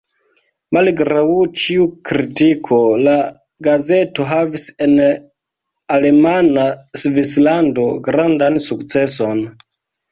Malgraŭ ĉiu kritiko la gazeto havis en alemana Svislando grandan sukceson.